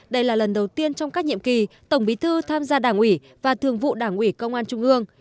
đây là lần đầu tiên trong các nhiệm kỳ tổng bí thư tham gia đảng ủy và thường vụ đảng ủy công an trung ương